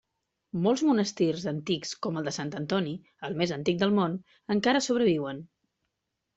Molts monestirs antics com el de Sant Antoni, el més antic del món, encara sobreviuen.